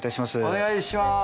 お願いします！